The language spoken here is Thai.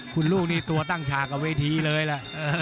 คุณลูกนี่ตัวตั้งฉากกับเวทีเลยล่ะ